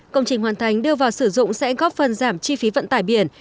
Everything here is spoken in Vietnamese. công trình hoàn thành đưa vào sử dụng sẽ góp phần giảm chi phí vận tải biển